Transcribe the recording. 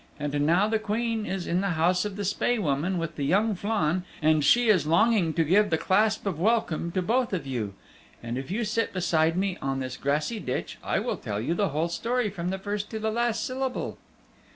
And now the Queen is in the house of the Spae Woman with the youth Flann and she is longing to give the clasp of welcome to both of you. And if you sit beside me on this grassy ditch I will tell you the whole story from the first to the last syllable."